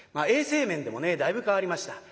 衛生面でもねだいぶ変わりました。